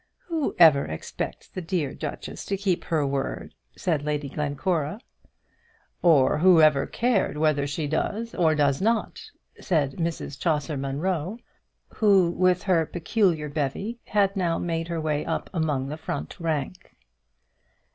"Who ever expects the dear duchess to keep her word?" said Lady Glencora. "Or whoever cared whether she does or does not?" said Mrs Chaucer Munro, who, with her peculiar bevy, had now made her way up among the front rank.